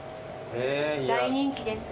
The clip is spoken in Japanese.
大人気です